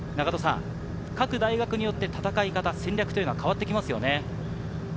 各大学によって戦い方、戦略は変わってきますよね？